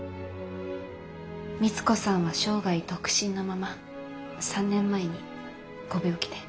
光子さんは生涯独身のまま３年前にご病気で。